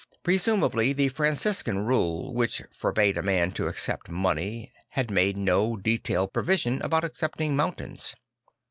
Presumably the Franciscan rule which forbade a man to accept money had made no detailed provision about accepting mountains.